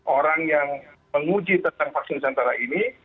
orang yang menguji tentang vaksin nusantara ini